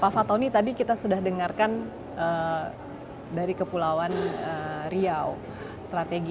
pak fatoni tadi kita sudah dengarkan dari kepulauan riau strategi